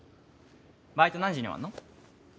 バイト何時に終わるの？